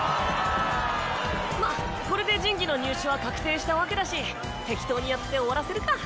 まっこれで神器の入手は確定したわけだし適当にやって終わらせるか。